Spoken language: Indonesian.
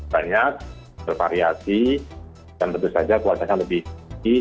banyak bervariasi dan tentu saja kuasanya lebih tinggi